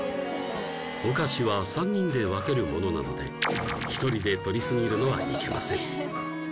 お菓子は３人で分けるものなので１人で取りすぎるのはいけません